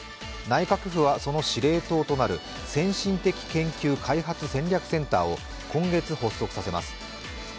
内閣府はその司令塔となる先進的研究開発戦略センターを今月発足させます。